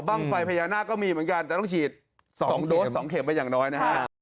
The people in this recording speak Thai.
ไฟพญานาคก็มีเหมือนกันแต่ต้องฉีด๒โดส๒เข็มไปอย่างน้อยนะฮะ